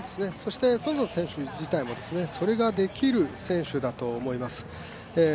園田選手自体もそれができる選手だと思います。